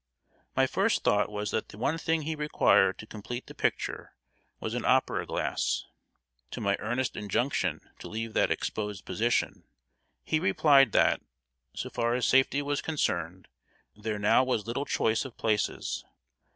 My first thought was that the one thing he required to complete the picture was an opera glass. To my earnest injunction to leave that exposed position, he replied that, so far as safety was concerned, there now was little choice of places.